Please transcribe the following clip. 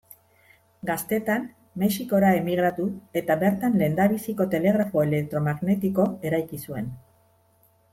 Gaztetan Mexikora emigratu eta bertan lehendabiziko telegrafo elektromagnetiko eraiki zuen.